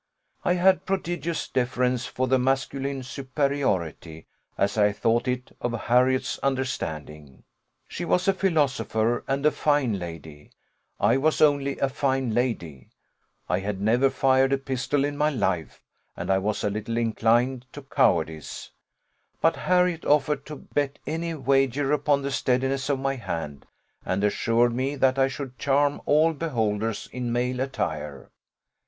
I had prodigious deference for the masculine superiority, as I thought it, of Harriot's understanding. She was a philosopher, and a fine lady I was only a fine lady; I had never fired a pistol in my life, and I was a little inclined to cowardice; but Harriot offered to bet any wager upon the steadiness of my hand, and assured me that I should charm all beholders in male attire.